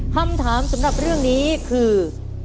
คำถามสำหรับเรื่องนี้คือ